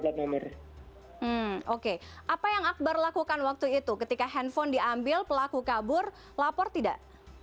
plat nomor oke apa yang akbar lakukan waktu itu ketika handphone diambil pelaku kabur lapor tidak